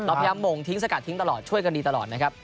พยายามหม่งทิ้งสกัดทิ้งตลอดช่วยกันดีตลอดนะครับ